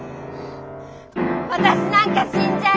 私なんか死んじゃえ！